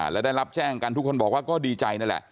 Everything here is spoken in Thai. และได้รับแจ้งกันทุกคนบอกว่าก็ดีใจนั่นแหละ